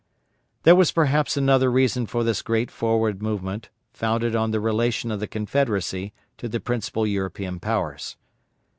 There was perhaps another reason for this great forward movement, founded on the relation of the Confederacy to the principal European powers.